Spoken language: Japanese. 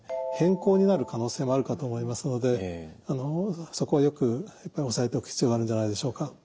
変更になる可能性もあるかと思いますのでそこはよく押さえておく必要があるんじゃないでしょうか。